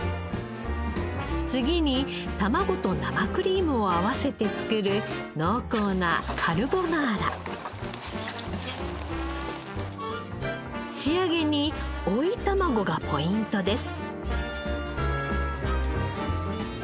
次に卵と生クリームを合わせて作る濃厚な仕上げに追い卵がポイントです。